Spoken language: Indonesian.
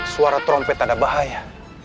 suara trompet ada bahaya